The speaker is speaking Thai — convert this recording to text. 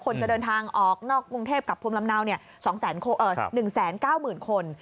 จะเดินทางออกนอกกรุงเทพกับภูมิลำเนา๒๙๐๐คน